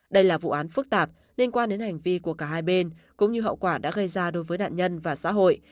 đây là vụ án phức tạp liên quan đến hành vi của cả hai bên cũng như hậu quả đã gây ra đối với nạn nhân và xã hội